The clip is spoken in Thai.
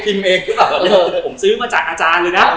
ผมซื้อมาจากอาจารย์เลยนะ